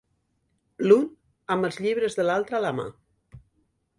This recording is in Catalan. L'un, amb els llibres de l'altre a la mà.